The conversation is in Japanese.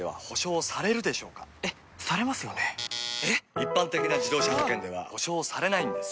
一般的な自動車保険では補償されないんです